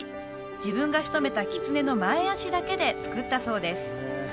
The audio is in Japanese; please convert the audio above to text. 自分がしとめたキツネの前足だけで作ったそうです